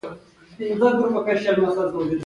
او دا بنسټونه مشخص کوي چې چارواکي واک ناوړه نه کاروي.